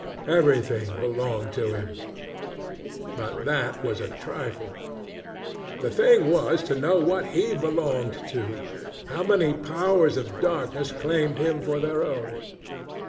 Everything belonged to him but that was a trifle. The thing was to know what he belonged to, how many powers of darkness claimed him for their own.